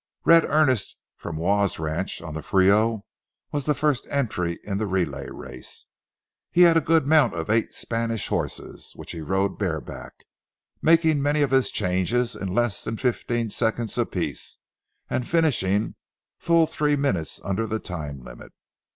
"Red" Earnest, from Waugh's ranch on the Frio, was the first entry in the relay race. He had a good mount of eight Spanish horses which he rode bareback, making many of his changes in less than fifteen seconds apiece, and finishing full three minutes under the time limit.